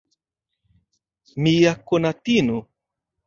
Mia konatino.